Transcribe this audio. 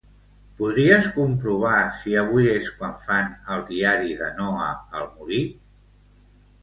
Podries comprovar si avui és quan fan "El diari de Noa" al Molí?